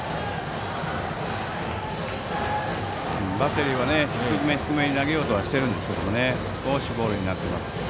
バッテリーは低め低めに投げようとしていますが少しボールになっています。